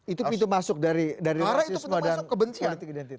itu pintu masuk dari rasisme dan politik identitas